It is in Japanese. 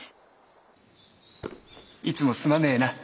いつもすまねえな。